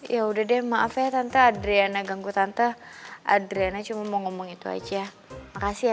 yaudah deh maaf ya tante andriana ganggu tante andriana cuma mau ngomong itu aja makasih ya